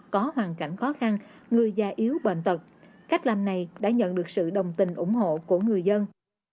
có hoàn cảnh khó khăn người già yếu bệnh tật cách làm này đã nhận được sự đồng tình ủng hộ của người dân